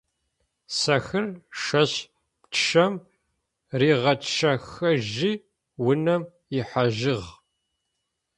Сэхыр шэщ пчъэм ригъэчъэхыжьи унэм ихьажьыгъ.